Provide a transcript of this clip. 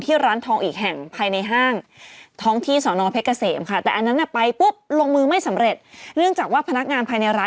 ที่ร้านทองอีกแห่งภายในห้างท้องที่สนเพกเกษมค่ะ